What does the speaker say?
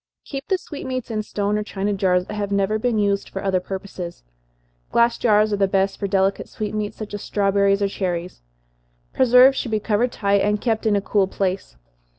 Keep the sweetmeats in stone or china jars, that have never been used for other purposes. Glass jars are the best for delicate sweetmeats, such as strawberries or cherries. Preserves should be covered tight, and kept in a cool place.